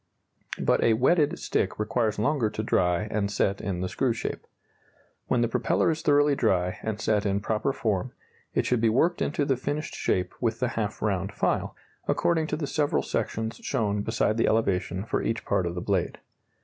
But a wetted stick requires longer to dry and set in the screw shape. When the propeller is thoroughly dry and set in proper form, it should be worked into the finished shape with the half round file, according to the several sections shown beside the elevation for each part of the blade.